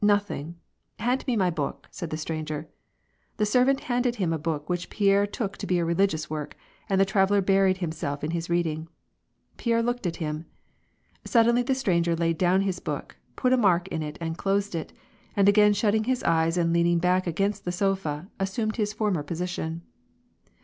"Nothing. Hand me my book," said the stranger. The servant handed him a book which Pierre took to be a religious work, and the traveller buried himself in his reading. Pierre looked at him. Suddenly, the stranger laid down his book, put a mark in it and closed it, and again shutting his eyes and leaning back against the sofa, assumed his former position.